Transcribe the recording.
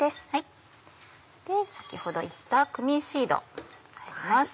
先ほど炒ったクミンシード入ります。